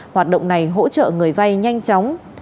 hoạt động này hỗ trợ người vay nhanh chóng